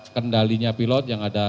kendalinya pilot yang ada